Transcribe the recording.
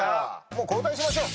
もう交代しましょう。